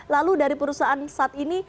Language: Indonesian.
lalu dari perusahaan saat ini